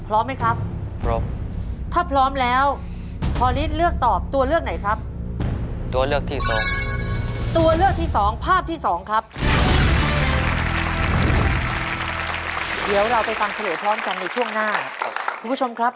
และตัวเลือกที่๔ภาพที่๔ครับ